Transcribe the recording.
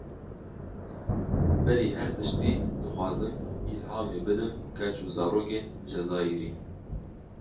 Berî her tiştî dixwazim îlhamê bidim keç û zarokên Cezayîrî.